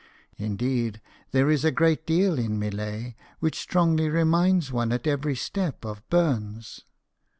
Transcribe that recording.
Indeed, there is a great deal in Millet which strongly reminds one at every step of Burns.